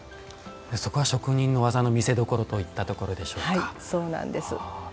そこは職人の技の見せどころといったところでしょうか。